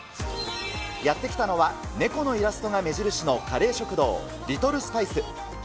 やって来たのは、猫のイラストが目印のカレー食堂、リトルスパイス。